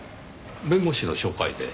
弁護士の紹介で？